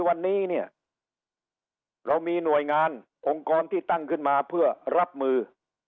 วันนี้เนี่ยเรามีหน่วยงานองค์กรที่ตั้งขึ้นมาเพื่อรับมือ